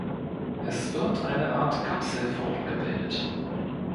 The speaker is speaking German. Es wird eine Art Kapselfrucht gebildet.